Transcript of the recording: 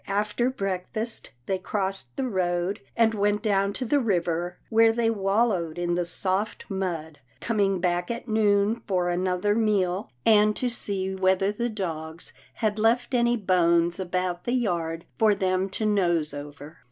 After breakfast, they crossed the road, and went down to the river, where they wallowed in the soft mud, coming back at noon for another meal, and to see whether the dogs had left any bones about the yard for them to nose over.